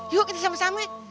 yuk kita sama sama